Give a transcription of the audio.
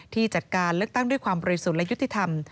จัดการเลือกตั้งด้วยความบริสุทธิ์และยุติธรรม